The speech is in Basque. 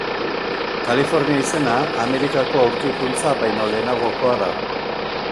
Kalifornia izena Amerikako aurkikuntza baino lehenagokoa da.